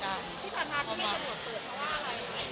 พี่ภาร์ภาพที่ไม่สะดวกเปิดเขาว่าอะไรอย่างเงี้ย